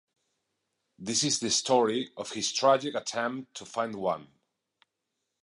This is the story of his tragic attempt to find one.